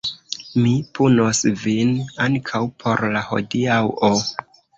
Mi punos vin ankaŭ por la hodiaŭo.